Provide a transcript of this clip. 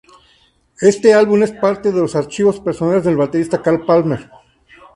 Este álbum es parte de los archivos personales del baterista Carl Palmer.